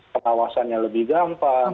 penawasannya lebih gampang